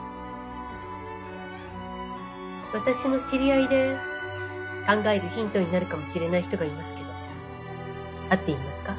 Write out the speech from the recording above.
私の知り合いで考えるヒントになるかもしれない人がいますけど会ってみますか？